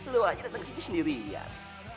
lu aja datang ke sini sendirian